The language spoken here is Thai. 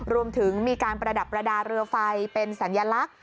รวมถึงมีการประดับประดาษเรือไฟเป็นสัญลักษณ์